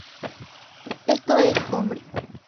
Esto es, hombre.